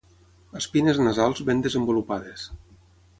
Espines nasals ben desenvolupades.